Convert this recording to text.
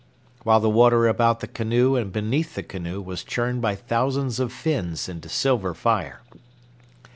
while the water about the canoe and beneath the canoe was churned by thousands of fins into silver fire.